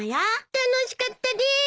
楽しかったでーす！